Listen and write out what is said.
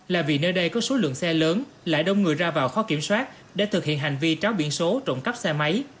là vì nơi đây có số lượng xe lớn lại đông người ra vào khó kiểm soát để thực hiện hành vi tráo biển số trộn cắp xe máy